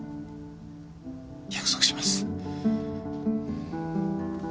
約束します。